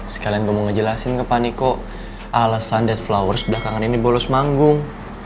sekalian gue mau ngejelasin ke paniko alasan dead flowers belakangan ini bolos manggung